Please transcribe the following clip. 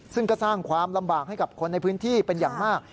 ซึ่งก็สร้างความลำบากให้กับคนในพื้นที่เป็นอย่างมาก